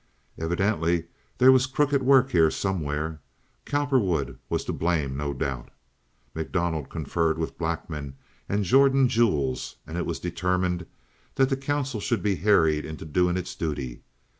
Evidently there was crooked work here somewhere. Cowperwood was to blame, no doubt. MacDonald conferred with Blackman and Jordan Jules, and it was determined that the council should be harried into doing its duty.